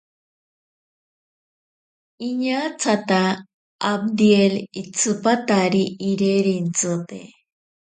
Iñatsata abdiel itsipatari irirentsite.